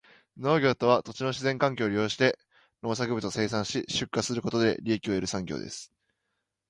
農業とは、土地の自然環境を利用して農産物を生産し、出荷することで利益を得る産業です。